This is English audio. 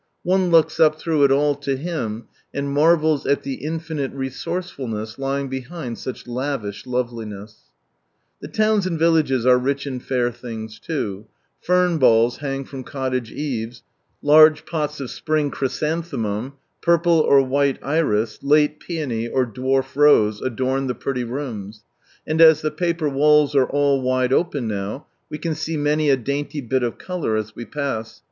One looks up through it all to Him, and oufTcls at the infin ite tesoorcefufaKss lying behind such lavish loveliness, Tbe towns and Tillages are rich in bir things too, fern balls bang from cottage eaves, large pots of spring cfarysantfacmnm, purple or wtuie iris, late peony, or dwarf rose, adorn tbe pretty rooms ; aixl as the paper walls are all wide open now, we can see many a dainty bit oS colour, as we pass.